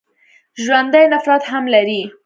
ژوندي نفرت هم لري